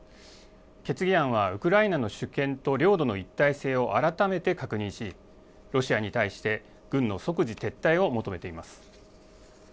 決議案はウクライナの主権と領土の一体性を改めて確認し、ロシアに対して、軍の即時撤退を求めています。